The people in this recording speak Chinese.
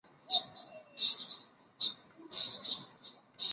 所以我们长出尾巴